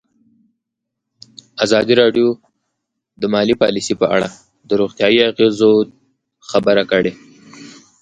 ازادي راډیو د مالي پالیسي په اړه د روغتیایي اغېزو خبره کړې.